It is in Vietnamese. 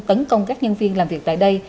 tấn công các nhân viên làm việc tại đây